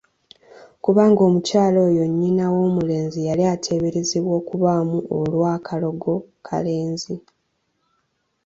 Kubanga omukyala oyo nnyina w'omulenzi yali ateeberezebwa okubaamu olw'akalogo kalenzi!